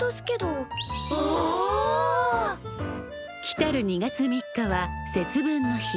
来る２月３日は節分の日。